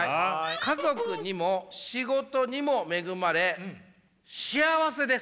「家族にも仕事にも恵まれ幸せです」。